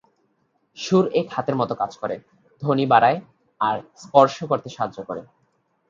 শুঁড় এক হাতের মত কাজ করে, ধ্বনি বাড়ায়, আর স্পর্শ করতে সাহায্য় করে।